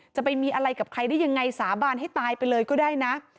จะไปมีอะไรกับใครได้ยังไงสาบานให้ตายไปเลยก็ได้นะ